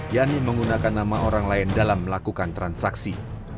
yakni menggunakan nama orang lain dalam melakukan transaksi